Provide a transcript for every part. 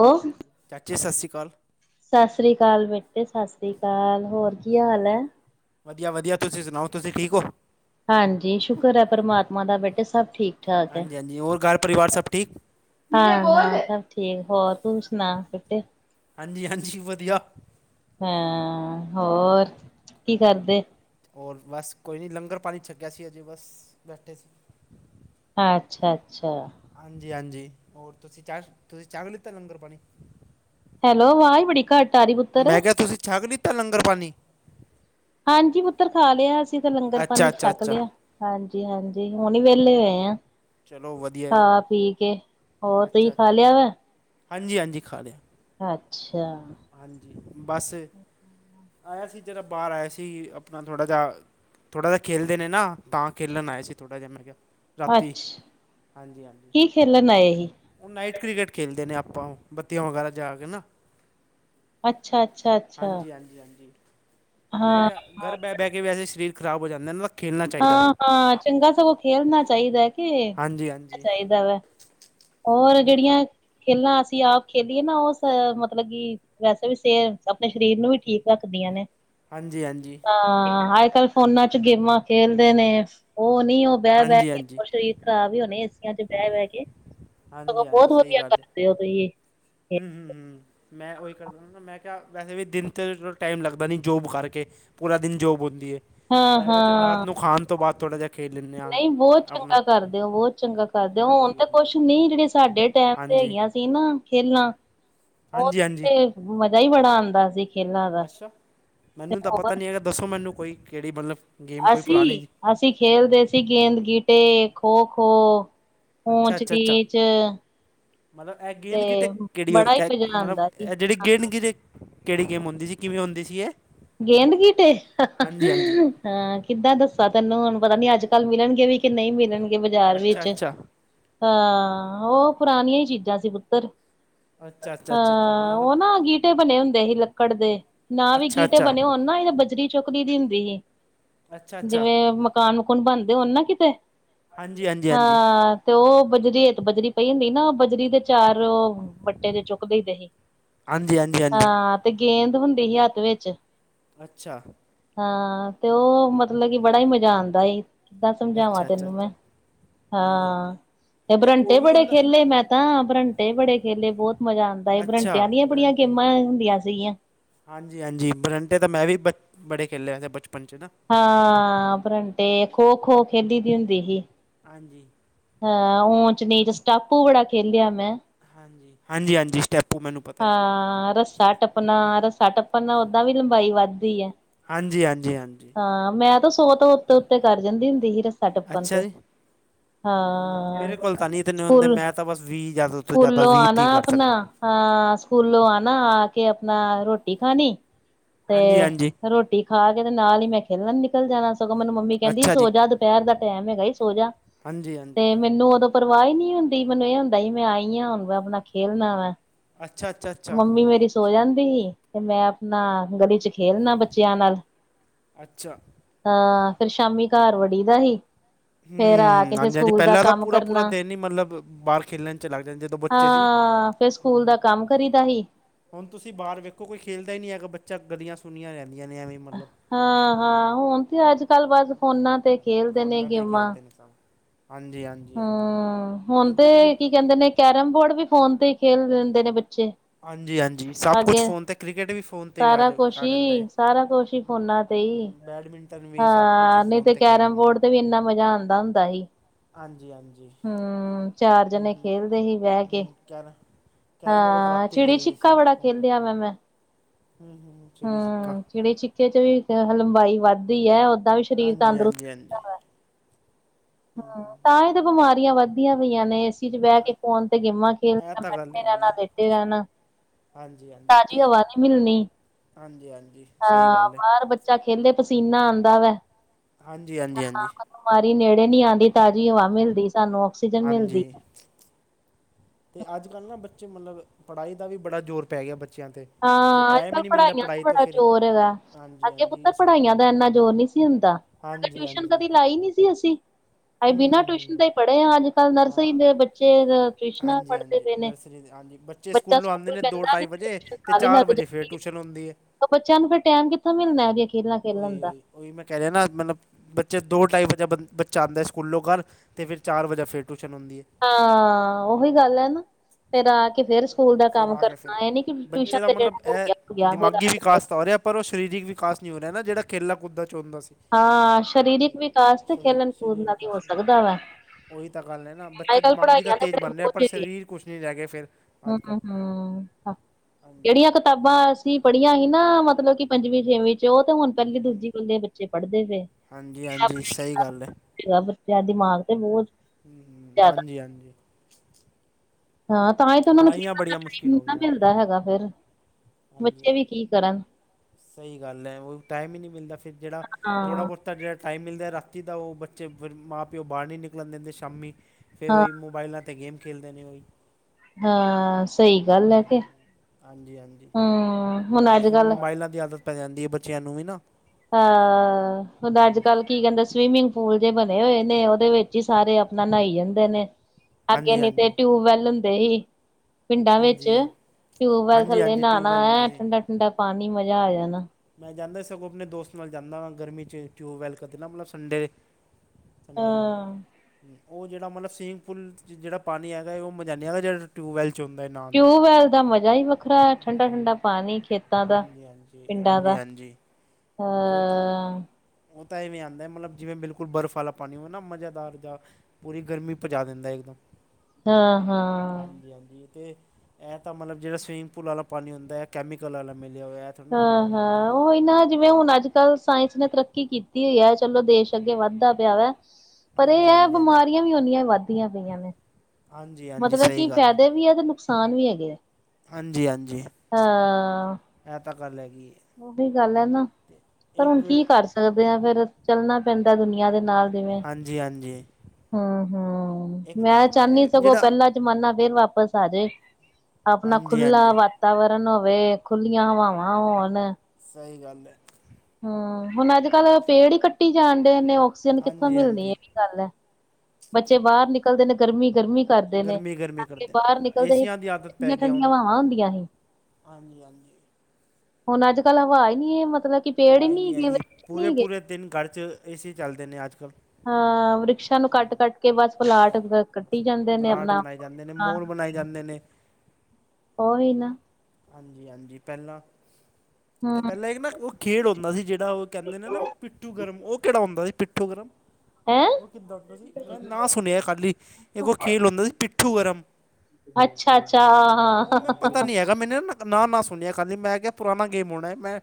Hello ਚਾਚਾ ਜੀ ਸਤਿ ਸ਼੍ਰੀ ਅਕਾਲ। ਸਤਿ ਸ਼੍ਰੀ ਅਕਾਲ ਬੇਟੇ ਸਤਿ ਸ਼੍ਰੀ ਅਕਾਲ ਹੋਰ ਕੀ ਹਾਲ ਹੈ। ਵਧੀਆ- ਵਧੀਆ ਤੁਸੀਂ ਸੁਣਾਓ ਤੁਸੀਂ ਠੀਕ ਹੋ‌। ਹਾਂਜੀ, ਸ਼ੁਕਰ ਹੈ ਪਰਮਾਤਮਾ ਦਾ ਬੇਟੇ ਸਭ ਠੀਕ ਠਾਕ ਹੈ। ਹਾਂਜੀ-ਹਾਂਜੀ ਹੋਰ ਘਰ ਪਰਿਵਾਰ ਸਭ ਠੀਕ। ਹਾਂ ਸਭ ਠੀਕ ਹੋਰ ਤੂੰ ਸੁਣਾ ਬੇਟੇ ਹਾਂਜੀ-ਹਾਂਜੀ ਵਧੀਆ। ਹਾਂ ਹੋਰ ਕੀ ਕਰਦੇ। ਹੋਰ ਬਸ ਕੋਈ ਨਹੀਂ ਲੰਗਰ ਪਾਣੀ ਛਕਿਆ ਸੀ, ਅਜੇ ਬਸ ਬੈਠੇ ਸੀ। ਅੱਛਾ- ਅੱਛਾ। ਹਾਂਜੀ- ਹਾਂਜੀ, ਹੋਰ ਤੁਸੀਂ ਛਕ ਤੁਸੀਂ ਛਕ ਲਿੱਤਾ ਲੰਗਰ ਪਾਣੀ। ਹੈਲੋ ਅਵਾਜ ਬੜੀ ਘੱਟ ਆ ਰਹੀ ਪੁੱਤਰ ਮੈਂ ਕਿਹਾ ਤੁਸੀਂ ਛੱਕ ਲਿੱਤਾ ਲੰਗਰ ਪਾਣੀ। ਹਾਂਜੀ ਪੁੱਤਰ ਖਾ ਲਿਆ, ਅਸੀਂ ਤਾਂ ਲੰਗਰ ਅੱਛਾ ਪਾਣੀ ਅੱਛਾ ਛੱਕ ਅੱਛਾ ਲਿਆ। ਹਾਂਜੀ -ਹਾਂਜੀ ਹੁਨੀ ਵਿਹਲੇ ਹੋਏ ਆ। ਚਲੋ ਵਧੀਆ ਖਾ ਜੀ ਪੀ ਕੇ ਹੋਰ ਅੱਛਾ ਤੁਸੀਂ ਖਾ ਅੱਛਾ ਲਿਆ ਵਾ। ਹਾਂਜੀ- ਹਾਂਜੀ ਖਾ ਲਿਆ। ਅੱਛਾ। ਹਾਂਜੀ ਬੱਸ ਆਇਆ ਸੀ, ਜ਼ਰਾ ਬਾਹਰ ਆਇਆ ਸੀ। ਆਪਣਾ ਥੋੜ੍ਹਾ ਜਿਹਾ ਥੋੜਾ ਜਿਹਾ ਖੇਲਦੇ ਨੇ ਨਾ ਤਾਂ ਖੇਲਣ ਆਇਆ ਸੀ, ਥੋੜ੍ਹਾ ਜਿਹਾ ਮੈਂ ਕਿਹਾ ਰਾਤੀ ਅੱਛਾ, ਹਾਂਜੀ ਹਾਂਜੀ ਕੀ ਖੇਲਣ ਆਏ ਹੀ। ਉਹ ਨਾਈਟ ਕ੍ਰਿਕਟ ਖੇਡਦੇ ਨੇ, ਆਪਾਂ ਬੱਤੀਆਂ ਵਗੈਰਾ ਜਗ੍ਹਾ ਕੇ ਨਾ। ਅੱਛਾ- ਅੱਛਾ- ਅੱਛਾ ਹਾਂਜੀ -ਹਾਂਜੀ ਮੈਂ ਹਾਂ, ਕਿਹਾ ਗਰ ਬਹਿ- ਬਹਿ ਕੇ ਵੀ ਵੈਸੇ ਸਰੀਰ ਖ਼ਰਾਬ ਹੋ ਜਾਂਦੇ ਹਨ। ਹਾਂ -ਹਾਂ ਚੰਗਾ ਸਗੋਂ ਖੇਲਣਾ ਚਾਹੀਦਾ ਹੈ ਕਿ ਹਾਂਜੀ ਖੇਲਣਾ ਹਾਂਜੀ ਚਾਹੀਦਾ ਵੇ ਔਰ ਜਿਹੜੀਆਂ ਖੇਲਾਂ ਅਸੀਂ ਆਪ ਖੇਲੀਏ, ਨਾ ਉਹ ਸ ਮਤਲਬ ਕਿ ਵੈਸੇ ਵੀ ਸਿਹ ਆਪਣੇ ਸਰੀਰ ਨੂੰ ਵੀ ਠੀਕ ਰੱਖਦੀਆਂ ਨੇ। ਹਾਂਜੀ -ਹਾਂਜੀ ਹਾਂ, ਅੱਜ ਤਕ ਫੋਨਾਂ ਚ ਗੇਮਾਂ ਖੇਲਦੇ ਨੇ ਉਹ ਨੀ ਉਹ ਬਹਿ- ਬਹਿ ਹਾਂਜੀ ਕੇ ਹਾਂਜੀ [unintelligible] ਸਰੀਰ ਖ਼ਰਾਬ ਹੀ ਹੋਣੇ ਏ ਏਸੀਆਂ ਚ ਬਹਿ- ਬਹਿ ਕੇ। ਸਗੋਂ ਹਾਂਜੀ ਹਾਂਜੀ ਬਹੁਤ ਸਹੀ ਵਧੀਆ ਗੱਲ ਹੈ ਕਰਦੇ ਹੋ ਤੁਸੀਂ ਇਹ ਹੂੰ ਹੂੰ ਹੂੰ ਮੈਂ ਉਹੀ ਕਰਦਾ ਮੈਂ ਕਿਹਾ ਵੈਸੇ ਵੀ ਦਿਨ 'ਚ ਟਾਈਮ ਲੱਗਦਾ ਨਹੀਂ, ਜੋਬ ਕਰਕੇ ਪੂਰਾ ਦਿਨ ਜੋਬ ਹੋਂਦੀ ਏ ਹਾਂ ਮੈਂ ਕਿਹਾ ਚੱਲ ਰਾਤ ਹਾਂ ਨੂੰ ਖਾਣ ਤੋਂ ਬਾਅਦ ਥੋੜ੍ਹਾ ਜਿਹਾ ਖੇਡ ਲੈਂਦੇ ਹਾਂ ਨਹੀਂ ਬਹੁਤ ਆਪਣਾ ਚੰਗਾ ਕਰਦੇ ਹੋ ਬਹੁਤ ਚੰਗਾ ਕਰਦੇ ਹੋ, ਹੁਣ ਹਾਂਜੀ ਤਾਂ ਹਾਂਜੀ ਕੁਛ ਨਹੀਂ ਜਿਹੜੀਆਂ ਸਾਡੇ ਟਾਈਮ ਤੇ ਹਾਂਜੀ ਹੈਗੀਆਂ ਸੀ ਸੀ ਨਾ ਖੇਲਾਂ, ਉਹ ਹਾਂਜੀ ਹਾਂਜੀ ਤੇ ਮਜਾ ਹੀ ਬੜਾ ਆਉਂਦਾ ਸੀ। ਖੇਲਾਂ ਦਾ ਅੱਛਾ, ਤੇ ਮੈਨੂੰ ਤਾਂ ਪਤਾ ਹੋਰ ਨਹੀਂ ਹੈਗਾ ਦੱਸੋ। ਮੈਨੂੰ ਕੋਈ ਕਿਹੜੀ ਮਤਲਬ ਗੇਮ ਕੋਈ ਪੁਰਾਣੀ ਅਸੀਂ- ਅਸੀਂ ਖੇਲਦੇ ਸੀ, ਗੇਂਦ ਗੀਟੇ ਖੋ- ਖੋ ਅੱਛਾ ਊਚ, ਅੱਛਾ ਅੱਛਾ ਨੀਚ ਮਤਲਬ ਇਹ ਗੇਂਦ ਗੀਟੇ ਤੇ ਕਿਹੜੀ ਉਹ ਬੜਾ ਹੀ ਕ ਮਜ਼ਾ ਮਤਲਬ ਆਉਂਦਾ ਸੀ ਇਹ ਜਿਹੜੀ ਹਾਂ, ਗੇਂਦ ਗੀਟੇ ਤੇ ਕਿਹੜੀ ਗੇਮ ਹੁੰਦੀ ਸੀ, ਕਿਵੇਂ ਹੁੰਦੀ ਸੀ ਇਹ ਗੇਂਦ ਗੀਟੇ। ਹਾਂਜੀ ਹਾਂਜੀ ਹਾਂ ਕਿੱਦਾਂ ਦੱਸਾਂ ਤੈਨੂੰ ਹੁਣ ਪਤਾ ਨੀ ਅੱਜ-ਕੱਲ ਮਿਲਣਗੇ ਵੀ ਕਿ ਨਈ ਮਿਲਣਗੇ ਬਾਜ਼ਾਰ ਅੱਛਾ ਵਿੱਚ। ਅੱਛਾ ਹਾਂ ਉਹ ਪੁਰਾਣੀਆਂ ਈ ਚੀਜ਼ਾਂ ਸੀ ਪੁੱਤਰ। ਅੱਛਾ ਅੱਛਾ ਅੱਛਾ ਅੱਛਾ ਹਾਂ ਮਤਲਬ ਉਹ ਨਾਂ ਗੀਟੇ ਬਣੇ ਹੁੰਦੇ ਸੀ ਲੱਕੜ ਦੇ ਨਾਂ ਵੀ ਅੱਛਾ ਗੀ ਅੱਛਾ ਨਾ ਇਤੇ ਬਜਰੀ ਚੁੱਕਦੀ ਦੀ ਹੁੰਦੀ ਏ। ਅੱਛਾ ਅੱਛਾ ਜਿਵੇਂ ਮਕਾਨ-ਮਕੂਨ ਬਣਦੇ ਹੋਣ ਨਾਂ ਕਿਤੇ ਹਾਂਜੀ ਹਾਂਜੀ ਹਾਂਜੀ ਹਾਂ। ਤੇ ਉਹ ਬਜਰੀਏਤ ਬਜਰੀ ਪਈ ਹੁੰਦੀ ਨਾਂ ਬਜਰੀ ਦੇ ਚਾਰ ਉਹ ਬੱਟੇ ਜੇ ਚੁੱਕਦੇ ਦੇਈ ਦੇ ਸੀ ਹਾਂਜੀ ਹਾਂਜੀ ਹਾਂਜੀ ਹਾਂ। ਤੇ ਗੇਂਦ ਹੁੰਦੀ ਸੀ ਹੱਥ ਵਿੱਚ। ਅੱਛਾ। ਹਾਂ ਤੇ ਉਹ ਮਤਲਬ ਕਿ ਬੜਾ ਹੀ ਮਜ਼ਾ ਆਂਦਾ ਏ ਕਿੱਦਾਂ ਸਮਝਾਵਾਂ ਅੱਛਾ ਅੱਛਾ ਤੈਨੂੰ ਮੈਂ। ਅੱਛਾ ਹਾਂਜੀ ਹਾਂਜੀ ਹਾਂ। ਇੱਕ ਬਰੰਟੇ ਉਹ ਵੀ ਬੜੇ ਹੁੰਦਾ ਸੀ ਖੇਲੇ ਨਾ ਮੈਂ ਤਾਂ ਬਰੰਟੇ ਬੜੇ ਖੇਲੇ ਬੋਤ ਮਜ਼ਾ ਆਂਦਾ ਏ ਅੱਛਾ ਬਰੰਟਿਆਂ ਦੀਆ ਬੜੀਆਂ ਗੇਮਾਂ ਹੁੰਦੀਆਂ ਸੀਗੀਆਂ। ਹਾਂਜੀ-ਹਾਂਜੀ ਬਰੰਟੇ ਤਾਂ ਮੈਂ ਵੀ ਬ ਬੜੇ ਖੇਲੇ ਆ ਇਥੇ ਬਚਪਨ ਚ ਨਾ। ਹਾਂ ਬਰੰਟੇ, ਖੋ-ਖੋ ਖੇਡੀ ਦੀ ਹੁੰਦੀ ਹੀ। ਹਾਂਜੀ। ਹਾਂ ਊਚ ਨੀਚ ਸਟਾਪੂ ਬੜਾ ਖੇਲਿਆ ਮੈਂ। ਹਾਂਜੀ, ਹਾਂਜੀ-ਹਾਂਜੀ। ਸਟੈਪੂ ਮੈਨੂੰ ਪਤਾ ਹੈ ਸਟੈਪੂ ਹਾਂ ਰੱਸਾ ਟੱਪਣਾ ਰੱਸਾ ਟੱਪਣ ਓਦਾਂ ਵੀ ਲੰਬਾਈ ਵੱਧਦੀ ਐ। ਹਾਂਜੀ ਹਾਂਜੀ ਹਾਂਜੀ ਹਾਂ ਮੈਂ ਤਾਂ ਸੋ ਤੋਂ ਉੱਤੇ-ਉੱਤੇ ਕਰ ਜਾਂਦੀ ਹੁੰਦੀ ਸੀ ਰੱ ਸਾ ਟਅਪ ਅੱਛਾ ਤੇ ਜੀ ਨਾ ਹਾਂ ਮੇਰੇ ਕੋਲ ਤਾਂ ਨਹੀਂ ਇਤਨੇ ਹੁੰਦੇ ਸਕੂਲ ਮੈਂ ਤਾਂ ਬਸ ਵੀ ਜਾਦਾ ਸਕੂਲੋਂ ਆਨਾ ਆਪਣਾ ਹਾਂ ਸਕੂਲੋਂ ਆਣਾ ਆ ਕੇ ਆਪਣਾ ਰੋਟੀ ਖਾਣੀ ਹਾਂਜੀ ਹਾਂਜੀ ਤੇ ਰੋਟੀ ਖਾ ਕੇ ਤੇ ਨਾਲ ਹੀ ਮੈਂ ਖੇਲਣ ਨਿਕਲ ਜਾਣਾ ਸਗੋਂ ਮੈਨੂੰ ਮੰ ਮੰਮੀ ਕੈੰਦੀ ਅੱਛਾ ਜੀ ਸੋਜਾ ਦੁਪੈਰ ਦਾ ਟੈਮ ਹੈਗਾ ਸੀ ਸੋਜਾ ਹਾਂਜੀ ਹਾਂਜੀ ਤੇ ਮੈਨੂੰ ਉਦੋਂ ਪਰਵਾਹ ਹੀ ਨੀ ਹੁੰਦੀ ਮੈਨੂੰ ਏ ਹੁੰਦਾ ਸੀ ਮੈਂ ਆਈ ਹਾਂ ਹੁਣ ਮੈਂ ਆਪਣਾ ਖੇਲਣਾ ਵੈ। ਅੱਛਾ-ਅੱਛਾ ਮੰਮੀ ਮੇਰੀ ਸੋ ਜਾਂਦੀ ਹੀ ਤੇ ਮੈਂ ਆਪਣਾ ਗਲੀ ਚ ਖੇਲਣਾ ਬੱਚਿਆਂ ਨਾਲ ਅੱਛਾ ਹਾਂ ਫੇਰ ਸ਼ਾਮੀ ਕਾਰ ਵੜੀ ਦਾ ਸੀ। ਫੇਰ ਆ ਹੂੰ ਕੇ ਫੇਰ ਹਾਂਜੀ-ਹਾਂਜੀ ਸਕੂਲ ਦਾ ਪੈਲਾਂ ਤਾਂ ਕੰਮ ਪੂਰਾ-ਪੂਰਾ ਕਰਨਾ ਦਿਨ ਈ ਮਤਲਬ ਬਾਰ ਖੇਲਣ ਚ ਲੱਗ ਜਾਂਦਾ ਜਦੋਂ ਬੱਚੇ ਸੀ। ਹਾਂ ਫੇਰ ਹੂੰ, ਸਕੂਲ ਦਾ ਹੂੰ। ਕੰਮ ਕਰੀ ਦਾ ਹੀ। ਹੁਣ ਤੁਸੀਂ ਬਾਰ ਵੇਖੋ ਕੋਈ ਖੇਲਦਾ ਹੀ ਨੀ ਹੈਗਾ ਬੱਚਾ ਗਲੀਆਂ ਸੁੰਨੀਆਂ ਰਹਿੰਦੀਆਂ ਨੇ ਐਵੇਂ। ਹੀ ਮਤਲਬ ਹਾਂ-ਹਾਂ ਹੁਣ ਤੇ ਅੱਜ- ਕੱਲ ਬਸ ਫੋਨਾਂ ਤੇ ਖੇਲਦੇ ਨੇ ਫੋਨਾਂ ਤੇ ਹੀ ਗੇਮਾਂ। ਖੇਲਦੇ ਹਾਂਜੀ ਹਾਂ ਹੂੰ, ਹੁਣ ਤੇ ਕੀ ਕੈੰਦੇ ਨੇ ਕੈਰਮ ਬੋਰਡ ਵੀ ਫੋਨ ਤੇ ਈ ਖੇਲ ਦਿੰਦੇ ਨੇ ਬੱਚੇ। ਹਾਂਜੀ-ਹਾਂਜੀ ਸਭ ਕੁਛ ਅੱਗੇ ਫ਼ੋਨ ਤੇ ਕ੍ਰਿਕਟ ਵੀ ਫੋਨ ਤੇ ਵੀ ਆ ਸਾਰਾ ਜਾ ਕੁਛ ਆ ਜਾਂਦਾ। ਹੀ ਸਾਰਾ ਕੁਛ ਈ ਫੋਨਾ ਤੇ ਈ ਬੈਡਮਿੰਟਨ ਵੀ ਸਭ ਕੁਝ ਹੀ ਹਾਂ ਨਈ ਫੋਨ ਤੇ ਖੇਲ ਕੈਰਮ ਲੈਂਦੇ ਬੋਰਡ ਤੇ ਵੀ ਇੰਨਾ ਮਜ਼ਾ ਆਉਂਦਾ ਹੁੰਦਾ ਸੀ। ਹਾਂਜੀ-ਹਾਂਜੀ। ਹਮ ਚਾਰ ਜਣੇ ਖੇਲਦੇ ਹੀ ਬੈ ਕੇ। [unintelligible] ਕੈਰਮ ਬੋਰਡ ਹਾਂ ਰਾਤੀ ਚਿੜੀ ਖੇਲਦੇ ਸੀ ਛਿੱਕਾ ਬੜਾ ਹੂੰ ਖੇਲਿਆ ਵਾ ਮੈਂ। ਹੂੰ ਹੂੰ ਚਿੜੀ ਛਿੱਕਾ ਹਮ ਚਿੜੀ ਛਿੱਕੇ ਚ ਵੀ ਲੰਬਾਈ ਵੱਧਦੀ ਹੈ ਓਦਾਂ ਵੀ ਹਾਂਜੀ ਹਾਂਜੀ ਹਾਂਜੀ ਹੂੰ ਹਮ, ਹੂੰ ਤਾਂ ਈ ਤਾਂ ਬਿਮਾਰੀਆਂ ਵੱਧਦੀਆਂ ਪਈਆਂ ਨੇ ਚ ਬਹਿ ਕੇ ਅ ਫੋਨ ਤੇ ਗੇਮਾਂ ਇਹ ਖੇਲਣਾ, ਤਾਂ ਬੈਠੇ ਰਹਿਣਾ ਦੇੇ ਰਹਿਣਾ ਹਾਂ ਜੀ ਹਾਂ ਤਾਜ਼ੀ ਹਵਾ ਨੀ ਮਿਲਣੀ ਹਾਂਜੀ ਹਾਂਜੀ ਸਹੀ ਹਾਂ ਗੱਲ ਹੈ ਬਾਹਰ ਬੱਚਾ ਖੇਲੇ ਪਸੀਨਾ ਆਂਦਾ ਵਾ ਹਾਂਜੀ ਹਾਂਜੀ ਹਾਂਜੀ ਬਿਮਾਰੀ ਨੇੜੇ ਨਹੀਂ ਆਂਦੀ, ਤਾਜ਼ੀ ਹਵਾ ਮਿਲਦੀ, ਸਾਨੂੰ ਆਕਸੀਜਨ ਮਿਲਦੀ ਹਾਂਜੀ ਅਤੇ ਅੱਜ- ਕੱਲ੍ਹ ਨਾ ਬੱਚੇ ਮਤਲਬ ਪੜ੍ਹਾਈ ਦਾ ਵੀ ਬੜਾ ਜ਼ੋਰ ਪੈ ਗਿਆ ਬੱਚਿਆਂ 'ਤੇ ਅਤੇ ਹਾਂ ਅੱਜ ਟਾਈਮ ਹੀ -ਕੱਲ ਨਹੀਂ ਮਿਲਦਾ ਪੜ੍ਹਾਈਆਂ ਤੋਂ ਪੜ੍ਹਾਈ ਬੜਾ ਫਿਰ ਜ਼ੋਰ ਹੈਗਾ। ਹਾਂਜੀ ਅੱਗੇ ਹਾਂਜੀ ਪੁੱਤਰ ਪੜ੍ਹਾਈਆਂ ਦਾ ਇੰਨਾ ਜ਼ੋਰ ਨਹੀਂ ਸੀ ਹੁੰਦਾ। ਅੱਗੇ ਹਾਂਜੀ ਟਿਊਸ਼ਨ ਹਾਂਜੀ ਕਦੀ ਲਾਈ ਨਹੀਂ ਸੀ ਅਸੀਂ ਅਸੀਂ ਹੂੰ ਹੂੰ ਬਿਨਾਂ ਟਿਊਸ਼ਨ ਹੂੰ ਦੇ ਈ ਪੜ੍ਹੇ ਆ, ਅੱਜ- ਕੱਲ੍ਹ ਨਰਸਰੀ ਹਾਂ ਦੇ ਬੱਚੇ ਟਿਊਸ਼ਨਾਂ ਹਾਂਜੀ ਪੜ੍ਹਦੇ ਹਾਂਜੀ ਪਏ ਨੇ, ਨਰਸਰੀ ਦੇ ਹਾਂਜੀ ਬੱਚੇ ਬੱਚਾ ਸਕੂਲੋਂ ਆਉਂਦੇ ਸਕੂਲ ਨੇ ਦੋ ਜਾਂਦਾ ਨੀ ਢਾਈ ਵਜੇ ਸ ਅਤੇ ਨਾਲ ਈ ਚਾਰ ਲੱਗ ਵਜੇ ਜਾਦੀ ਫਿਰ ਏ, ਟਿਊਸ਼ਨ ਹੁੰਦੀ ਹੈ ਉਹ ਬੱਚਿਆਂ ਨੂੰ ਫਿਰ ਟੈਮ ਕਿੱਥੋਂ ਮਿਲਣਾ ਅੱਗੇ ਖੇਲਾਂ ਖੇਲਣ ਉਹੀ ਦਾ ਉਹੀ ਉਹੀ ਮੈਂ ਕਹਿ ਰ ਨਾ ਮਤਲਬ ਬੱਚੇ ਦੋ ਢਾਈ ਵਜਾ ਬ ਬੱਚਾ ਆਉਦਾ ਸਕੂਲੋਂ ਘਰ ਅਤੇ ਫਿਰ ਚਾਰ ਵਜੇ ਫਿਰ ਟਿਊਸ਼ਨ ਹੁੰਦੀ ਐ। ਹਾਂ ਉਹੀ ਗੱਲ ਹੈ ਨਾ ਫੇਰ ਆ ਕੇ ਫੇਰ ਸਕੂਲ ਦਾ ਫਿਰ ਕੰਮ ਆ ਕੇ ਫਿਰ ਕਰਨਾ, ਇਹ ਨੀ ਕਿ ਟਿਊਸ਼ਨ ਬੱਚੇ ਦਾ ਦੇ ਡੇੜ ਮਤਲਬ [unintelligible] ਹੋ ਇਹ ਫਿਰ ਆ ਦਿਮਾਗੀ ਵਿਕਾਸ ਤਾਂ ਹੋ ਰਿਹਾ ਪਰ ਉਹ ਸਰੀਰਕ ਵਿਕਾਸ ਨਹੀਂ ਹੋ ਰਿਹਾ ਨਾ ਜਿਹੜਾ ਖੇਲਾਂ ਕੁੱਦਾਂ 'ਚ ਹੁੰਦਾ ਸੀ। ਹਾਂ ਹਾਂਜੀ ਸਰੀਰਕ ਹਾਂਜੀ ਵਿਕਾਸ ਤੇ ਸਰੀਰ ਖੇਲਣ- ਕੂਦਣ ਸਰੀਰ ਨਾਲ ਵੀ ਹੋ ਵਿਕਾਸ ਸਕਦਾ ਵਾ ਉਹੀ ਤਾਂ ਗੱਲ ਐ ਨਾ ਅੱਜ ਬੱਚਾ ਕੱਲ੍ਹ ਦਿਮਾਗੀ ਦਾ ਪੜ੍ਹਾਈਆਂ ਦੇ ਤੇਜ਼ ਬਣ ਰਿਹਾ, ਪਰ ਸਰੀਰ ਕੁਛ ਨੀ ਰਹਿ ਗਿਆ ਫਿਰ ਹਮ ਅੱਜ ਕੱਲ ਹਮ ਹਮ, ਹਾਂਜੀ ਜਿਹੜੀਆਂ- ਕਿਤਾਬਾਂ ਅਸੀਂ ਪੜ੍ਹੀਆਂ ਹੀ ਨਾ ਮਤਲਬ ਕਿ ਪੰਜਵੀਂ- ਛੇਵੀਂ ਉਹ ਤੇ ਹੁਣ ਪਹਿਲੀ- ਦੂਜੀ ਹਾਂਜੀ ਵੇਲੇ ਬੱਚੇ ਪੜ੍ਹਦੇ ਪਏ। ਹਾਂਜੀ ਹਾਂਜੀ ਸਹੀ ਗੱਲ ਹੈ ਬੱਚਿਆਂ ਦਿਮਾਗ ਤੇ ਬਹੁਤ ਜ਼ਿਆਦਾ ਹਾਂਜੀ ਹਾਂਜੀ ਹਾਂ ਤਾਂ ਈ ਤਾਂ ਉਹਨਾਂ ਨੂੰ ਪੜ੍ਹਾਈਆਂ ਖੇਲਣ ਦਾ ਬੜੀਆਂ ਮੁਸ਼ਕਿਲ ਟਾਇਮ ਹੋ ਨਾ ਗਈਆਂ ਅੱਜ ਮਿਲਦਾ ਕੱਲ੍ਹ ਹੈਗਾ, ਫਿਰ ਹਾਂਜੀ ਬੱਚੇ ਹਾਂਜੀ ਵੀ ਕੀ ਕਰਨ ਸਹੀ ਗੱਲ ਐ, ਉਹ ਟਾਈਮ ਈ ਨਹੀਂ ਮਿਲਦਾ ਫਿਰ ਜਿਹੜਾ ਥੋੜਾ ਹਾਂ ਬਹੁਤਾ ਤਾ ਜਿਹੜਾ ਟਾਈਮ ਮਿਲਦਾ ਰਾਤੀ ਤਾਂ ਉਹ ਬੱਚੇ ਮਾਂ- ਪਿਓ ਬਾਹਰ ਨਹੀਂ ਨਿਕਲਣ ਦਿੰਦੇ ਸ਼ਾਮੀ ਫਿਰ ਹਾਂ ਉਹ ਮੋਬਾਈਲਾਂ 'ਤੇ ਗੇਮ ਖੇਡਦੇ ਨੇ ਉਹਈ ਹਾਂ, ਸਹੀ ਗੱਲ ਐ ਤੇ ਹਾਂਜੀ ਹਾਂਜੀ ਹੂੰ ਉਹ ਬਸ ਫਿਰ ਮੋਬਾਇਲਾਂ ਦੀ ਆਦਤ ਪੈ ਜਾਂਦੀ ਐ ਬੱਚਿਆਂ ਨੂੰ ਵੀ ਨਾ ਅਹ ਹੁਣ ਅੱਜ ਹਾਂਜੀ -ਕੱਲ ਕੀ ਕਹਿੰਦੇ ਸਵੀਮਿੰਗ ਪੂਲ ਜੇ ਬਣੇ ਹੋਏ ਨੇ ਉਹਦੇ ਵਿੱਚ ਈ ਸਾਰੇ ਨਹਾਈ ਜਾਂਦੇ ਨੇ, ਅੱਗੇ ਹਾਂਜੀ ਨੀ ਤੇ ਹਾਂਜੀ ਟਿਊਬਵੈਲ ਹੁੰਦੇ ਹੀ ਪਿੰਡਾਂ ਵਿੱਚ, ਹਾਂਜੀ ਟਿਊਬਵੈਲ ਹਾਂਜੀ ਥੱਲੇ ਹਾਂਜੀ ਟਿਊਬਵੈਲ ਨਹਾਉਣਾ, ਹੁੰਦੇ ਏ ਸੀ ਠੰਡਾ- ਠੰਡਾ ਪਾਣੀ ਮਜ਼ਾ ਆ ਜਾਣਾ। ਮੈਂ ਜਾਂਦਾ ਸਗੋਂ ਆਪਣੇ ਦੋਸਤ ਨਾਲ ਜਾਂਦਾ ਵਾ ਗਰਮੀ ਚ ਟਿਊਬਵੈਲ ਕਰਦੇ ਨਾ ਮਤਲਬ ਸੰਡੇ ਸੰਡੇ ਨੂੰ ਹਾਂ ਉਹ ਜਿਹੜਾ ਮਤਲਬ ਸਵੀਮਿੰਗ ਪੂਲ ਚ ਜਿਹੜਾ ਪਾਣੀ ਹੈਗਾ ਐ, ਉਹ ਮਜ਼ਾ ਹੈਗਾ ਜਿਹ ਟਿਊਬਵੈਲ ਚ ਚੁੰਮੇ ਨਾ ਟਿਊਬਵੈਲ ਦਾ ਮਜ਼ਾ ਈ ਵੱਖਰਾ ਐ, ਠੰਡਾ- ਹਮ, ਠੰਡਾ ਪਾਣੀ ਖੇਤ ਹਾਂਜੀ ਹਾਂਜੀ ਪਿੰਡਾਂ ਹਾਂਜੀ ਦਾ ਹਾਂਜੀ ਉਹ ਤਾਂ ਅਹ ਉਹ ਤਾਂ ਇਵੇਂ ਆਂਦਾ ਐ, ਮਤਲਬ ਜਿਵੇਂ ਬਿਲਕੁਲ ਬਰਫ਼ ਵਾਲਾ ਪਾਣੀ ਹੋ ਨਾ ਮਜ਼ੇਦਾਰ ਜਾਂ ਪੂਰੀ ਗਰਮੀ ਪਜਾ ਦਿੰਦਾ ਇੱਕਦਮ ਆਂ- ਹਾਂ ਮਿਆਂ ਜੀ ਕੇ ਐਹ ਤਾਂ ਮਤਲਬ ਜਿਵੇਂ ਸਵੀਮਿੰਗ ਪੂਲ ਵਾਲਾ ਪਾਣੀ ਹੁੰਦਾ, ਕੈਮੀਕਲ ਵਾਲਾ ਮਿਲਿਆ ਹੋਇਆ। ਥੋੜ੍ਹਾ ਨਾ ਐਵੇਂ ਹਾਂ-ਹਾਂ ਵਧੀਆ ਉਹੀ ਨਾ ਜਿਵੇਂ ਹੁਣ ਅੱਜ- ਕੱਲ ਸਾਇੰਸ ਨੇ ਤਰੱਕੀ ਕੀਤੀ ਹੋਈ ਐ, ਚਲੋ ਦੇਸ਼ ਅੱਗੇ ਵੱਧਦਾ ਪਿਆ ਵਾ ਪਰ ਇਹ ਹਾਂਜੀ ਐ, ਹਾਂਜੀ ਹਾਂਜੀ ਬਿਮਾਰੀਆਂ ਵੀ ਉਨੀਆਂ ਵੱਧਦੀਆਂ ਪਈਆਂ ਨੇ। ਹਾਂਜੀ ਹਾਂਜੀ ਮਤਲਬ ਸਹੀ ਕੀ ਫੈਦੇ ਵੀ ਐ, ਤੇ ਨੁਕਸਾਨ ਵੀ ਹੈਗੇ ਆ। ਹਾਂਜੀ-ਹਾਂਜੀ, ਹਾਂ ਐਹ ਤਾਂ ਗੱਲ ਹੈਗੀ ਏ ਉਹੀ ਗੱਲ ਐ ਨਾ, ਪਰ ਹੁਣ ਕੀ ਕਰ ਸਕਦੇ ਆ, ਫਿਰ ਚੱਲਣਾ ਪੈਂਦਾ ਦੁਨੀਆਂ ਦੇ ਨਾਲ। ਜਿਵੇਂ, ਹਾਂਜੀ ਹਾਂਜੀ ਹਮ- ਹਮ ਇੱਕ ਨਾ ਮੈਂ ਆਪਣਾ ਚਾਹੁੰਦੀ ਇਹ ਸਗੋਂ ਜਿਹੜਾ ਪਹਿਲਾਂ ਜਮਾਨਾਂ ਫਿਰ ਵਾਪਸ ਆਜੇ, ਆਪਣਾ ਹਾਂਜੀ ਖੁੱਲਾ ਵਾਤ ਹਾਂਜੀ ਵਾਤਾਵਰਨ ਹੋਵੇ, ਖੁੱਲੀਆਂ ਹਵਾਵਾਂ ਹੋਨ। ਸਹੀ ਗੱਲ ਐ ਹਮ, ਹੁਣ ਅੱਜ- ਕੱਲ ਪੇੜ ਹੀ ਕੱਟੀ ਜਾਣ ਦੇ ਨੇ, ਆਕਸੀਜਨ ਕਿੱਥੋਂ ਹਾਂਜੀ ਮਿਲਣੀ ਐ, ਹਾਂਜੀ ਇਹ ਵੀ ਗੱਲ ਹੈ। ਬੱਚੇ ਬਾਹਰ ਨਿਕਲਦੇ ਨੇ ਗਰਮੀ- ਗਰਮੀ ਕਰਦੇ ਨੇ, ਗਰਮੀ ਗਰਮੀ ਅੱਗੇ ਕਰਦੇ ਨੇ ਬਾਹਰ ਨਿਕਲਦੇ ਹੀ ਏਸੀਆਂ ਦੀ ਆਦਤ ਪੈ ਠੰਡੀਆਂ- ਗਈ ਆ ਠੰਡੀਆਂ ਹੁਣ ਹਵਾਂ ਹੁੰਦੀਆਂ ਹੀ। ਹਾਂਜੀ- ਹਾਂਜੀ। ਹੁਣ ਅੱਜ- ਕੱਲ ਹਵਾ ਹੀ ਨੀ, ਮਤਲਬ ਕਿ ਪੇੜ ਹੀ ਆਵਾਜ਼ ਨੀ ਨਹੀਂ ਹੈਗੀ ਹੈਗੇ ਪੂਰੇ ਨੀਗੇ। ਪੂਰੇ ਦਿਨ ਗਰ 'ਚ ਏ ਸੀ ਚੱਲਦੇ ਨੇ ਅੱਜ -ਕੱਲ। ਹਾਂ ਵ੍ਰਿਕਸ਼ਾਂ ਨੂੰ ਕੱਟ- ਕੱਟ ਕੇ ਬਸ ਪਲਾਟ ਬਸ ਕੱਢੀ ਜਾਂਦੇ ਨੇ ਪਲਾਂਟ ਆਪਣਾ, ਬਣਾਏ ਜਾਂਦੇ ਨੇ ਹਾਂ ਮੋਲ ਬਣਾਏ ਜਾਂਦੇ ਨੇ। ਉਹੀ ਨਾ ਹਾਂਜੀ- ਹਾਂਜੀ ਪੈਲਾਂ ਹੂੰ ਤੇ ਪਹਿਲਾਂ ਇੱਕ ਨਾ ਓ ਪੇੜ ਹੁੰਦਾ ਸੀ ਜੇੜਾ ਉਹ ਕਹਿੰਦੇ ਨੇ ਨਾ ਪਿੱਠੂ ਗਰਮ, ਉਹ ਕੇੜਾ ਹੁੰਦਾ ਸੀ ਪਿੱਠੂ ਗਰਮ ਹੈਂ ਉਹ ਕਿੱਦਾਂ ਹੁੰਦਾ ਸੀ, ਮੈਂ ਨਾਂ ਸੁਣਿਆ ਖਾਲੀ, ਇੱਕ ਉਹ ਖੇਲ ਹੁੰਦਾ ਸੀ ਪਿੱਠੂ ਗਰਮ। ਅੱਛਾ-ਅੱਛਾ, ਹਾਂ-ਹਾਂ ਮੈਨੂੰ ਨਾ, ਨਾਂ- ਨਾਂ ਸੁਣਿਆ ਖਾਲੀ, ਮੈਂ ਕਿਹਾ ਪੁਰਾਣਾ ਗੇਮ ਹੋਣਾ, ਮੈਂ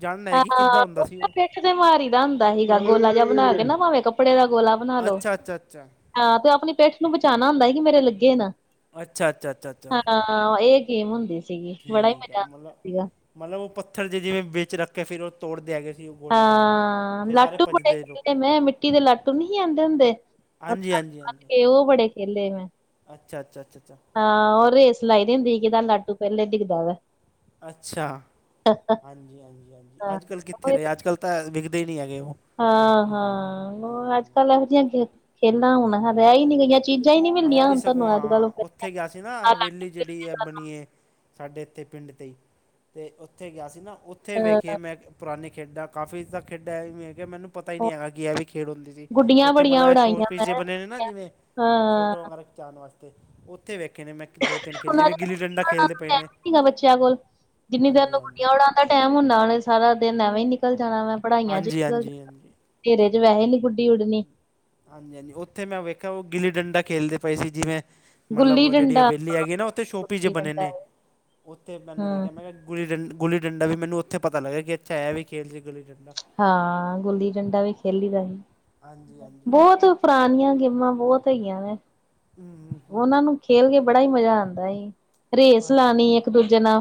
ਜਾਣਨਾ ਐ ਕਿ ਕਿੱਦਾਂ ਹੁੰਦਾ ਸੀ ਉਹ। ਇਕ ਤੇ ਮਾਰੀ ਦਾ ਹੁੰਦਾ ਹੀਗਾ ਗੋਲਾ ਜਿਹਾ ਬਣਾ ਕੇ ਨਾ ਭਾਵੇਂ ਕੱਪੜੇ ਦਾ ਗੋਲਾ ਬਣਾ ਲੋ। ਅੱਛਾ ਅੱਛਾ ਅੱਛਾ ਆਂ, ਤੇ ਉਹ ਆਪਣੀ ਪਿੱਠ ਨੂੰ ਬਚਾਉਣਾ ਹੁੰਦਾ, ਕਿ ਮੇਰੇ ਲੱਗੇ ਨਾ। ਅੱਛਾ- ਅੱਛਾ-ਅੱਛਾ-ਅੱਛਾ ਹਾਂ ਇਹ ਗੇਮ ਹੁੰਦੀ ਸੀਗੀ, ਬੜਾ ਹੀ ਆ ਮਜ਼ਾ ਆਂਦਾ ਮਤਲਬ ਸੀਗਾ। ਮਤਲਬ ਉਹ ਪੱਥਰ ਜੇ ਜਿਵੇਂ ਵਿੱਚ ਰੱਖ ਕੇ ਫੇਰ ਉਹ ਤੋੜਦੇ ਆ ਗੇਏ ਸੀ ਉਹ। ਗੋਲੇ ਨਾਲ ਹਾਂ, ਫਿਰ ਸਾਰੇ ਲਾਟੂ ਬੜੇ ਭੱਜਦੇ ਖਰੀਦੇ ਲੋਕੀ ਮੈਂ, ਮਿੱਟੀ ਦੇ ਲਾਟੂ ਨਹੀਂ ਸੀ ਆਉਂਦੇ ਹੁੰਦੇ। ਹਾਂਜੀ- ਹਾਂਜੀ- ਹਾਂਜੀ। ਤੇ ਓ ਬੜੇ ਖੇਲੇ ਮੈਂ। ਅੱਛਾ- ਅੱਛਾ, ਅੱਛਾ- ਅਛਾ। ਹਾਂ ਉਹ ਰੇਸ ਲਾਈਦੀ ਹੁੰਦੀ, ਕੀਹਦਾ ਲਾਟੂ ਪਹਿਲੇ ਡਿੱਗਦਾ ਵਾ। ਅੱਛਾ, ਹਾਂਜੀ- ਹਾਂਜੀ, ਹਾਂਜੀ ਹਾਂ ਅੱਜ ਕੱਲ ਕਿੱਥ ਇੱਥੇ ਉਹੀ ਤੇ ਰਹੇ, ਅੱਜ- ਕੱਲ ਤਾਂ ਵਿਕਦੇ ਨਹੀਂ ਹੈਗੇ ਉਹ ਹਾਂ- ਹਾਂ ਹੂੰ ਹੋਰ, ਹੂੰ ਅੱਜ- ਕੱਲ ਇਹੋ ਜਿਹੀਆਂ ਗ ਖੇਲਾਂ ਹੂੰ ਹੁਣ ਰਹਿ ਹੀ ਨੀ ਹਾਂਜੀ ਗਈਆਂ, ਹਾਂਜੀ ਚੀਜ਼ਾਂ ਹੀ ਨੀ ਮੈਂ ਮਿਲਦੀਆਂ ਵੀ ਸਗੋਂ ਤੁਹਾਨੂੰ ਅੱਜ- ਕੱਲ ਬੱਚਿਆ ਨੂੰ ਹਾਈ ਲਾਈਟ। ਜੇੜੀ ਐ ਬਣੀਏ। ਸਾਡੇ ਇੱਥੇ ਪਿੰਡ ਦੇ ਹੀ, ਤੇ ਉੱਥੇ ਗਿਆ ਸੀ ਨਾ, ਉੱਥੇ ਉਹ ਵੇਖੀ ਮੈਂ ਪੁਰਾਣੀ ਖੇਡਾਂ ਕਾਫੀ ਤਦਾ ਖੇਡਾਂਏਦੀਆ ਐਵੇਂਕੇ ਮੈਨੂੰ ਪਤਾ ਹੀ ਨੀ ਹੈਗਾ ਕਿ ਐਵੀ ਖੇਡ ਹੁੰਦੀ ਪਈਏ ਗੁੱਡੀਆਂ ਓਥੇ ਬੜੀਆਂ ਮਤਲਬ ਐ ਸ਼ੋ ਉਡਾਈਆਂ ਪੀਜ਼ੇ ਮੈਂ ਬਣੇ ਨੇ ਨਾ ਜਿਵੇਂ ਹਾਂ ਫੋਟੋ ਵਗੈਰਾ ਖਿਚਾਣ ਵਾਸਤੇ ਉਥੇ ਕਿੱਥੇ ਵੇਖੇ ਨੇ ਮੈਂ ਦੋ-ਤਿੰਨ ਖੇਲ ਉਹਨਾਂ ਜਿਵੇਂ ਦੇ ਗਿੱਲੀ-ਡੰਡਾ ਖੇਲਦੇ ਪਏ ਨੇ। ਟਾਈਮ ਸੀਗਾ ਬੱਚਿਆਂ ਕੋਲ ਜਿੰਨੀ ਦੇ ਹਾਂਜੀ ਨੂੰ ਹਾਂਜੀ ਗੁੱਡੀਆਂ ਉੜਾ ਆ ਟਾਈਮ ਹੁੰਦਾ ਵਾ, ਸਾਰਾ ਦਿਨ ਐਵੇਂ ਈਂ ਨਿਕਲ ਜਾਣਾ ਐ ਪੜ੍ਹਾਈਆਂ 'ਚ ਹਾਂਜੀ ਹਾਂਜੀ ਹਾਂਜੀ ਘੇਰੇ 'ਚ ਵੈਸੇ ਨੀ ਗੁੱਡੀ ਉੜਦੀ। ਹਾਂਜੀ-ਹਾਂਜੀ ਉੱਥੇ ਮੈਂ ਵੇਖਿਆ, ਓ ਗਿੱਲੀ-ਡੰਡਾ ਖੇਲਦੇ ਪਏ ਸੀ ਜਿਵੇਂ ਮਤਲਬ, ਗੁੱਲੀ ਓ ਜਿਹੜੀ ਡੰਡਾ ਹਵੇਲੀ ਹੈਗੀ ਨਾ ਉੱਥੇ ਸ਼ੋਪੀਜ 'ਚ ਗੁੱਲੀ ਬਣੇ ਡੰਡਾ ਨੇ ਓਥੇ ਮੈਨੂੰ ਐ ਹਮ ਵਿਖੇਆ ਮੈਂ ਕੇਆ ਗੁੱਲੀ-ਡੰਡਾ ਗੁੱਲੀ-ਦੰਦਾਂ ਵੀ ਮੈਨੂੰ ਉੱਥੇ ਪਤਾ ਲੱਗਿਆ ਕਿ ਐਵੀ ਖੇਲਦੇ ਗੱਲੀ-ਡੰਡਾ। ਹਾਂ, ਗੁੱਲੀ-ਡੰਡਾ ਵੀ ਖੇਲੀ ਦਾ ਸੀ, ਹਾਂਜੀ ਹਾਂਜੀ ਬੋਤ ਪੁਰਾਣੀਆਂ ਗੇਮਾਂ ਬੋਤ ਹੈਗੀਆਂ ਨੇ, ਹੂੰ ਹੂੰ ਹੂੰ ਓਨਾਂ ਨੂੰ ਖੇਲ ਕੇ ਬੜਾ ਈ ਮਜਾ ਆਦਾਂ ਏ, ਰੇਸ ਹਾਂਜੀ ਲਨੀਂ ਏਕ ਦੂਜੇ ਨਾਲ।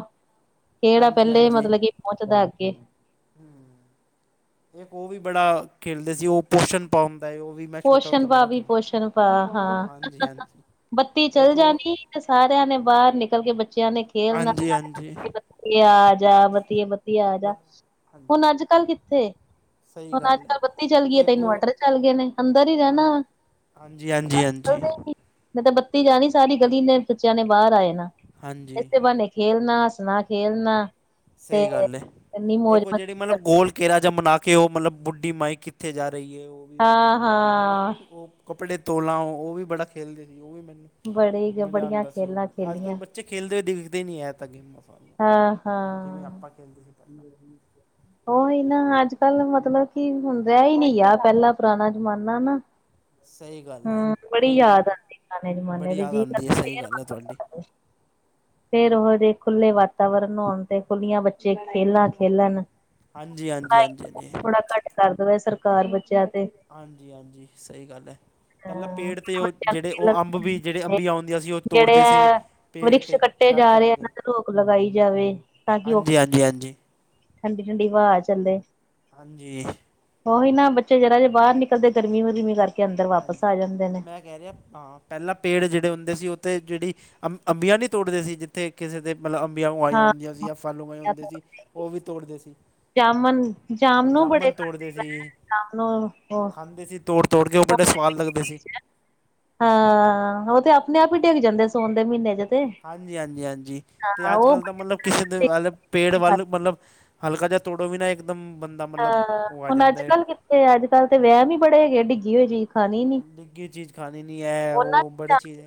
ਕੇੜਾ, ਹਾਂਜੀ ਪੈਲੇ ਮਤਲਬ ਕਿ ਪੋਂਚਦਾ ਅੱਗੇ। ਏਕ ਓਵੀ ਬੜਾ ਖੇਲਦੇ ਸੀ, ਓ ਪੋਸ਼ਣਪਾਂ ਹੁੰਦੈ ਓ। ਪੋਸ਼ਨ ਪਾ ਵੀ, ਪੋਸ਼ਨ ਪਾ, ਹਾਂਜੀ ਹਾਂਜੀ ਬੱਤੀ ਉਹ ਚੱਲ ਇੱਕ ਜਾਣੀ। ਉਹ ਤੇ ਸਾਰੇਆਂ ਨੇ ਬਾਰ ਨਿਕਲ ਕੇ ਬੱਚੇਆਂ ਨੇ ਖੇਲਣਾ ਹਾਂਜੀ ਹਾਂਜੀ [unintelligible] ਬਤੀਏ ਆਜਾ, ਬਤੀਏ ਆਜਾ ਬਤੀ ਤੀ ਆਜਾ ਬ ਹਾਂਜੀ ਹੁਣ, ਅੱਜ -ਕੱਲ ਕਿੱਥੇ? ਸਹੀ ਹੁਣ ਅੱਜ- ਗੱਲ ਕੱਲ ਬੱਤੀ ਚੱਲ ਗਈ ਹੈ ਤੇ, ਇੱਕ ਉਹ ਇਨਵਰਟਰ ਚੱਲ ਗਏ ਨੇ। ਅੰਦਰ ਈ ਹਾਂ ਰੈਂਨਾ, ਵਾ ਹਾਂਜੀ ਹਾਂਜੀ ਹਾਂਜੀ ਜਦੋਂ ਬੱਤੀ ਜਾਣੀ ਸਾਰੀ ਗਲੀ ਦੇ ਬੱਚੇਆਂ ਨੇ ਬਾਰ ਆ ਜਾਣਾ, ਹਾਂਜੀ ਇਸੇ ਬਾਨੇ। ਖੇਲਨਾ, ਹੱਸਣਾ-ਖੇਲਨਾ। ਸਈ ਗੱਲ ਏ, ਏਕ ਓ ਜੇੜੀ ਮਤਲਬ ਕਰਨੀ ਗੋਲ ਘੇਰਾ ਜਾ ਮਨਾ ਕੇ ਓ ਮਤਲਬ ਬੁੱਢੀ ਮਾਈ ਕਿੱਥੇ ਜਾ ਰਿਏ, ਓਵੀ ਹਾਂ ਹਾਂ ਮਨਾਣਜੇ ਓ ਕੱਪੜੇ ਤੋਲਾਂ ਓਵੀ ਬੜਾ ਖੇਲਦੇ ਸੀ, ਓਵੀ ਮੈਨੂੰ ਬੜੀ ਮਜ਼ਾ ਬੜੀਆਂ ਆਂਦਾ ਸੀ ਖੇਲਾਂ ਓਵੀ ਅੱਜ- ਕੱਲ ਖੇਲੀਆਂ ਬੱਚੇ ਚੇ ਖੇਲਦੇ ਦੇਖਦੇ ਈ ਨੀਂਐ ਤਾਂ ਗੇਮਾਂ ਜਿਵੇਂ ਆਪਾਂ ਖੇਲਦੇ ਸੀ ਪਹਿਲਾਂ ਹਾਂ-ਹਾਂ। ਓਹੀ, ਨਾ ਅੱਜ-ਕੱਲ ਮਤਲਬ ਕੀ ਹੁੰਦੇ ਹੀ ਨਾ ਯਾ ਰੈਈਨੀਂ ਗਯਾ ਪੈਲਾਂ ਪੁਰਾਣਾ ਜਮਾਨਾ ਨਾ। ਸਹੀ ਗੱਲ ਹੈ ਹੂੰ, ਬੜੀ ਉਹੀ ਹੁਣ ਯਾਦ ਆਂਦੀ ਪੁਰਾਣੇ ਜਮਾਨੇ ਬੜੀ ਦੀ, ਯਾਦ ਜੀ ਆਉਂਦੀ ਕਰਦਾ ਹੈ ਸਹੀ ਫੇਰ ਗੱਲ ਹੈ ਵਾਪਸ ਤੁਹਾਡੀ ਆ ਜੇ। ਫੇਰ ਓਹੋ ਜੇ ਖੁੱਲ੍ਹੇ ਵਾਤਾਵਰਨ ਹੋਣ ਤੇ, ਖੁੱਲੀਆਂ ਬੱਚੇ ਖੇਲਾਂ-ਖੇਲਣ। ਹਾਂਜੀ ਹਾਂਜੀ ਪੜਾਈ ਹਾਂਜੀ ਦਾ ਜੋਰ ਹਾਂਜੀ ਥੋੜਾ ਘੱਟ ਦੇਵੇ ਸਰਕਾਰ ਬੱਚਿਆ ਤੋਂ। ਹਾਂਜੀ-ਹਾਂਜੀ ਸਹੀ ਗੱਲ ਐ। ਮਤਲਬ ਹਾਂ ਪੇੜ ਤੇ ਓ ਬੱਚਿਆਂ ਜੇੜੇ ਓ ਨੂੰ ਅੰਬ ਵੀ ਜੇੜੇ ਖੇਲਣ ਅੰਬੀਆ ਹੁੰਦੀਆਂ ਸੀ, ਓ ਤੋੜਦੇ ਸੀ। ਪੇੜ। ਕੁਛ 'ਤੇ ਕੱਟੇ ਚੜ੍ਹ ਜਾ ਰੇਆ ਚੜ੍ਹ ਏਨਾਂ ਕੇ ਤੇ ਰੋਕ ਲਗਾਈ ਜਾਵੇ, ਤਾਂ ਕਿ ਆਕਸੀਜਨ ਜੀ ਹਾਂਜੀ। ਠੰਡੀ-ਠੰਡੀ ਹਵਾ ਚੱਲੇ। ਹਾਂਜੀ। ਓਈ ਨਾ ਬੱਚੇ ਜਰਾ ਜੇ ਬਾਰ ਨਿਕਲਦੇ, ਗਰਮੀ-ਗਰਮੀ ਕਰਦੇ। ਹਾਂਜੀ, ਮੈਂ ਕੈ ਰੇਆ ਹਾਂ, ਪੈਲਾਂ ਪੇੜ ਜੇੜੇ ਹੁੰਦੇ ਸੀ ਉੱਥੇ ਜੇੜੀ ਅ ਅੰਬੀਆਂ ਨੀ ਤੋੜਦੇ ਸੀ ਜਿੱਥੇ ਕਿਸੇ ਦੇ ਮਤਲਬ ਅੰਬੀਆਂ ਨੂੰ ਆਈਆਂ ਹਾਂ ਹੁੰਦੀਆਂ ਸੀ ਜਾਂ, ਫਲ ਆਏ ਹੁੰਦੇ ਸੀ ਓਵੀ ਤੋੜਦੇ ਸੀ। ਜਾਮਨ ਹਾਂ, ਜਾਮਨੂੰ ਬੜੇ ਜਾਮਣ ਤੋੜਦੇ ਖਾਂਦੇ ਮੈਂ ਸੀ, ਜਾਮਨੂੰ ਓ ਉਹ ਖਾਂਦੇ ਸੀ ਤੋੜ ਤੋੜ ਕੇ, ਓ ਬੜੇ ਸਵਾਦ ਲੱਗਦੇ ਸੀ। ਹਾਂ, ਓਤੇ ਅਪਨੇ ਆਪ ਈਂ ਡਿੱਗ ਜਾਂਦੇ ਸੋਣ ਦੇ ਮੀਨੇ 'ਚ। ਤੇ ਹਾਂਜੀ -ਹਾਂਜੀ, ਹਾਂਜੀ ਤੇ ਹਾਂ ਅੱਜ- ਉਹ ਕੱਲ੍ਹ ਤਾਂ ਮਤਲਬ ਕਿਸੇ ਦੇ ਵੱਲ ਪੇੜ ਵੱਲ ਮਤਲਬ ਹਲਕਾ ਜਿਹਾ ਤੋੜੋ ਵੀ ਨਾ ਇੱਕਦਮ ਬੰਦਾ ਮਤਲਬ ਹਾਂ ਉਹ ਆ ਹੁਣ ਜਾਂਦਾ ਅੱਜ ਏ, ਕੱਲ ਕਿੱਥੇ ਅੱਜ ਕੱਲ ਤੇ ਹਾਂਜੀ। ਵਹਿਮ ਹੀ ਬੜੇ ਹੈ ਡਿੱਗੀ ਹੋਈ ਚੀਜ਼। ਖਾਣੀ ਨੀ ਡਿੱਗੀ ਚੀਜ਼ ਖਾਣੀ ਨੀ ਐ, ਐ ਉਹਨਾਂ ਓ ਬੜੀ ਚੀਜ਼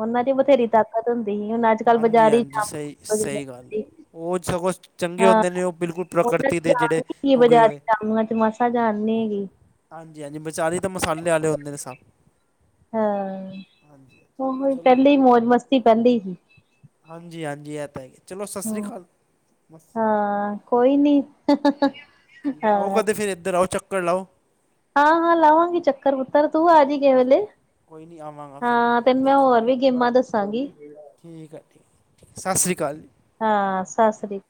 ਉਹਨਾਂ 'ਚ ਬਥੇਰੀ ਤਾਕਤ ਹੁੰਦੀ ਹੀ, ਹੁਣ ਅੱਜ ਕੱਲ ਹਾਂਜੀ- ਬਾਜ਼ਾਰੀ ਹਾਂਜੀ ਹਾਂ ਸਹੀ- ਸਹੀ ਗੱਲ ਐ, ਉਹ ਸਗੋਂ ਚੰਗੇ ਹੁੰਦੇ ਨੇ ਉਹ ਬਿਲਕੁਲ ਉਹਨਾਂ 'ਚ ਪ੍ਰਕਿਰਤੀ ਦੇ ਜਾਨ ਜਿਹੜੇ ਨੀ ਗੀ ਉਗੇ ਬਜ਼ਾਰੀ ਹੋਏ ਜਾਮਨੂਆ ਚ ਮਾਸਾ ਜਾਨ ਨੀ ਹੈਗੀ। ਹਾਂਜੀ -ਹਾਂਜੀ, ਬਜਾਰੀਂ ਤਾਂ ਮਸਾਲੇ ਵਾਲੇ ਹੁੰਦੇ ਨੇ ਸਭ। ਹਾਂ, ਹਾਂਜੀ ਉਹ ਚਲੋ ਪਹਿਲੀ ਮੌਜ ਮਸਤੀ ਪਹਿਲੀ ਸੀ। ਹਾਂਜੀ -ਹਾਂਜੀ ਇਹ ਤਾਂ ਹੈ ਈ ਐ, ਚਲੋ ਸਸ ਰੀ ਅਕਾਲ। ਮਸ ਹਾਂ ਕੋਈ ਨੀ ਆਉ ਹਾਂ, ਕਦੇ ਫਿਰ ਇੱਧਰ ਆਓ, ਚੱਕਰ ਲਾਓ। ਹਾਂ- ਹਾਂ ਲਾਵਾਂਗੇ ਚੱਕਰ ਪੁੱਤਰ, ਤੂੰ ਆਜੀ ਕਿਹੈ ਵੇਲੇ। ਕੋਈ ਨੀ ਆਵਾਂ ਹਾਂ ਤੈਨੂੰ ਮੈਂ ਹੋਰ ਵੀ ਗੇਮਾਂ ਦੱਸ ਦੱਸਾਂ ਗੀ। ਠੀਕ ਆ ਠੀਕ, ਠੀਕ ਸਤਿ ਸ਼੍ਰੀ ਅਕਾਲ ਜੀ। ਹਾਂ ਸਸਰੀ